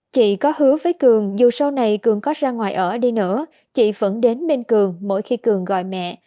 chị có hứa với cường dù sau này cường có ra ngoài ở đi nữa chị vẫn đến minh cường mỗi khi cường gọi mẹ